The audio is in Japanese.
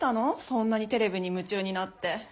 そんなにテレビにむちゅうになって。